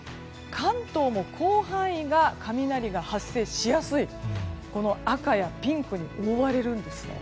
関東も広範囲が雷が発生しやすいこの赤やピンクに覆われるんですね。